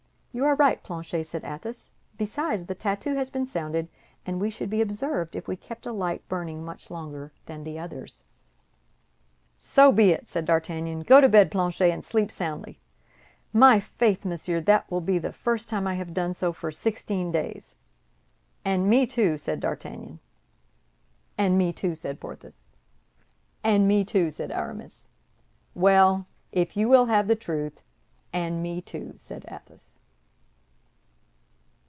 "You are right, Planchet," said Athos; "besides, the tattoo has been sounded, and we should be observed if we kept a light burning much longer than the others." "So be it," said D'Artagnan. "Go to bed, Planchet, and sleep soundly." "My faith, monsieur! that will be the first time I have done so for sixteen days." "And me, too!" said D'Artagnan. "And me, too!" said Porthos. "And me, too!" said Aramis. "Well, if you will have the truth, and me, too!" said Athos.